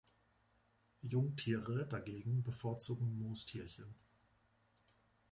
Jungtiere dagegen bevorzugen Moostierchen.